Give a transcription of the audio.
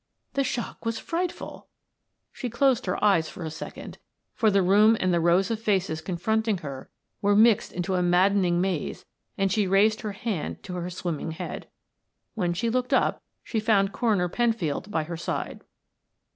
The shock was frightful" she closed her eyes for a second, for the room and the rows of faces confronting her were mixed in a maddening maze and she raised her hand to her swimming head. When she looked up she found Coroner Penfield by her side.